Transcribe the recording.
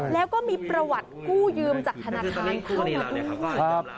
แล้วก็มีประวัติกู้ยืมจากธนาคารเข้ามาด้วย